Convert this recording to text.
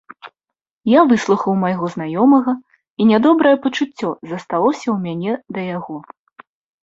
Я выслухаў майго знаёмага, і нядобрае пачуццё засталося ў мяне да яго.